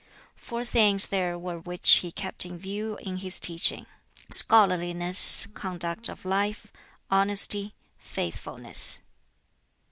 Four things there were which he kept in view in his teaching scholarliness, conduct of life, honesty, faithfulness.